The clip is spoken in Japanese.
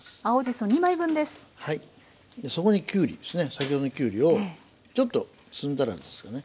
先ほどのきゅうりをちょっと積んだらですかね。